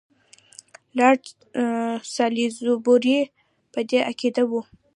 لارډ سالیزبوري په دې عقیده وو.